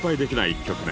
１曲目